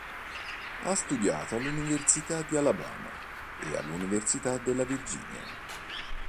Ha studiato all'università di Alabama e all'università della Virginia.